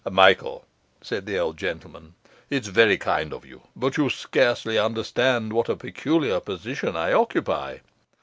'Michael,' said the old gentleman, 'it's very kind of you, but you scarcely understand what a peculiar position I occupy.